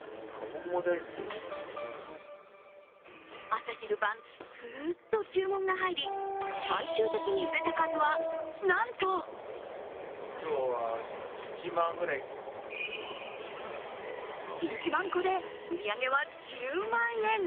朝昼晩、ずっと注文が入り、最終的に売れた数は、なんと１万個で、売り上げは１０万円。